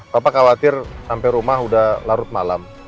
bapak khawatir sampai rumah udah larut malam